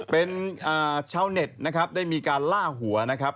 เป็นชาวเน็ตนะครับได้มีการล่าหัวนะครับ